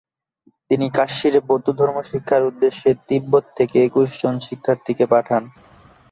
তিনি কাশ্মীরে বৌদ্ধধর্ম শিক্ষার উদ্দেশ্যে তিব্বত থেকে একুশ জন শিক্ষার্থীকে পাঠান।